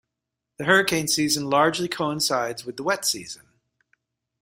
The hurricane season largely coincides with the wet season.